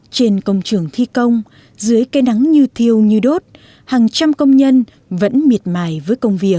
trên công trường thi công dưới cây nắng như thiêu như đốt hàng trăm công nhân vẫn miệt mài với công việc